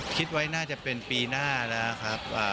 คิดไว้น่าจะเป็นปีหน้าแล้วครับ